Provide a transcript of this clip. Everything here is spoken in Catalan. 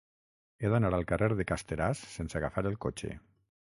He d'anar al carrer de Casteràs sense agafar el cotxe.